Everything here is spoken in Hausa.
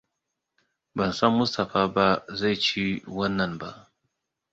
Ban san Mustapha ba zai ci wannan ba.